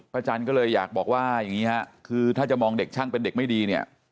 จันทร์ก็เลยอยากบอกว่าอย่างนี้ฮะคือถ้าจะมองเด็กช่างเป็นเด็กไม่ดีเนี่ย